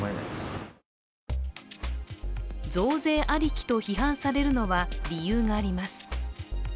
増税ありきと批判されるのは理由があります。